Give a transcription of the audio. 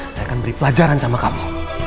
saya akan beri pelajaran sama kami